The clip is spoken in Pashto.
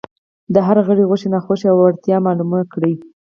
د هر غړي خوښې، ناخوښې او وړتیاوې معلومې کړئ.